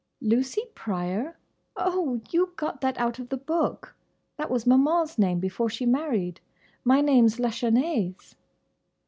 "Lucy Pryor? Oh! you got that out of the book! That was Maman's name before she married. My name's Lachesnais."